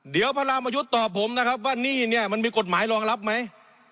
เดี๋ยวพระรามยุทธ์ตอบผมนะครับว่านี่เนี่ยมันมีกฎหมายรองรับไหม